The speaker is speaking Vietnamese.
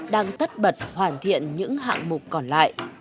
đang tất bật hoàn thiện những hạng mục còn lại